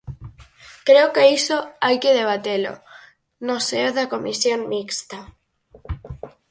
Creo que iso hai que debatelo no seo da Comisión mixta.